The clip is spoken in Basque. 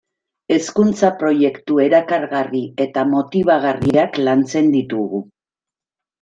Hezkuntza-proiektu erakargarri eta motibagarriak lantzen ditugu.